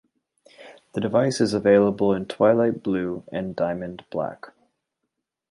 The device is available in Twilight Blue and Diamond Black.